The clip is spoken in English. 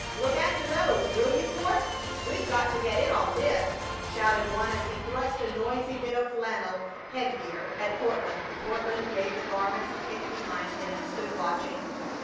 "Look after those, will you, Court? We've got to get in on this," shouted one as he thrust a noisy bit of flannel head gear at Courtland. Courtland gave the garments a kick behind him and stood watching.